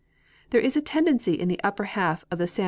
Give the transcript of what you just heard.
There is a tendency in the uj^per half of the San